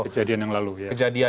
kejadian yang lalu ya